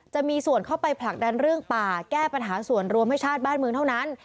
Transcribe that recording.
จะมีส่วนเข้าไปผลักดันเรื่องป่าแก้ปัญหาส่วนรวมให้ชาติบ้านเมืองเท่านั้น